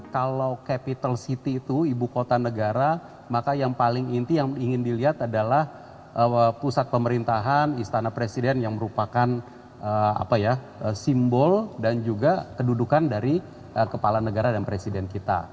kalau capital city itu ibu kota negara maka yang paling inti yang ingin dilihat adalah pusat pemerintahan istana presiden yang merupakan simbol dan juga kedudukan dari kepala negara dan presiden kita